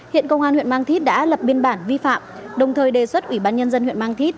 hiện công an huyện mang thít đã lập biên bản vi phạm đồng thời đề xuất ủy ban nhân dân huyện mang thít